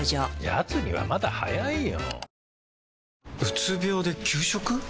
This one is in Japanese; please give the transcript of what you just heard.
やつにはまだ早いよ。